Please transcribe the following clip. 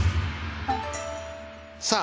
さあ